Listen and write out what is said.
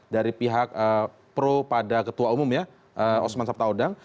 dari pihak pro pada ketua umum ya osman sabtaodang